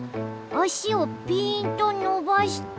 あしをぴーんとのばして。